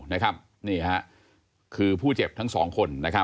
นี่คือผู้เจ็บทั้งสองคน